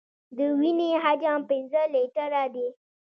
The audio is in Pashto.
د وینې حجم پنځه لیټره دی.